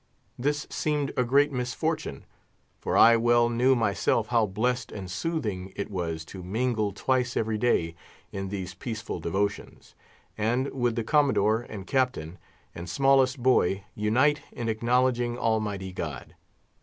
This seemed a great misfortune; for I well knew myself how blessed and soothing it was to mingle twice every day in these peaceful devotions, and, with the Commodore, and Captain, and smallest boy, unite in acknowledging Almighty God.